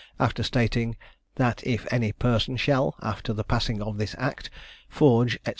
after stating "that if any person shall after the passing of this Act, forge, &c.